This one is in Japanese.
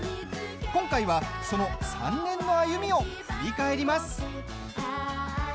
今回は、その３年の歩みを振り返ります。